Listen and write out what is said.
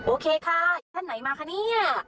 โอเคค่ะท่านไหนมาคะเนี่ย